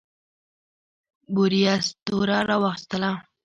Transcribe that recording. بوریس توره راواخیستله.